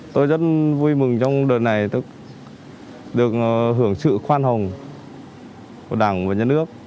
tôi rất vui mừng trong đợt này tôi được hưởng sự khoan hồng của đảng và nhà nước